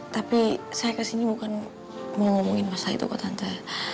tapi saya ke sini bukan mau ngomongin masalah itu kok tante